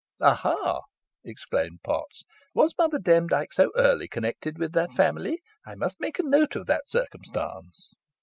"Aha!" exclaimed Potts, "was Mother Demdike so early connected with that family? I must make a note of that circumstance."